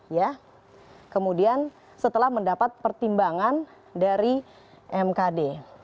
ya kemudian setelah mendapat pertimbangan dari mkd